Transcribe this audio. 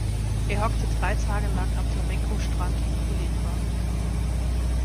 Er hockte drei Tage lang am Flamenco-Strand von Culebra.